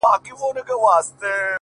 چي پاڼه وشړېدل”